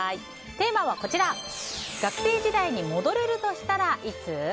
テーマは、学生時代に戻れるとしたらいつ？